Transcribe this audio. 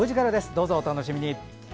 どうぞお楽しみに。